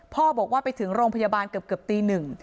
บอกว่าไปถึงโรงพยาบาลเกือบตีหนึ่ง